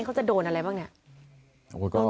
เขาจะโดนอะไรบ้างเนี่ย